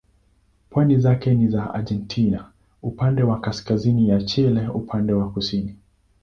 Pwani zake ni za Argentina upande wa kaskazini na Chile upande wa kusini.